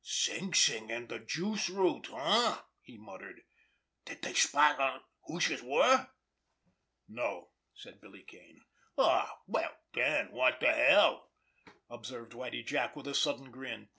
"Sing Sing, an' de juice route—eh?" he muttered. "Did dey spot who youse were?" "No," said Billy Kane. "Aw, well den, wot de hell!" observed Whitie Jack, with a sudden grin.